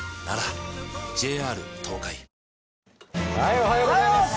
おはようございます。